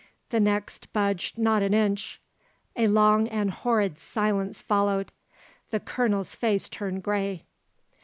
The rest budged not an inch. A long and horrid silence followed. The Colonel's face turned grey.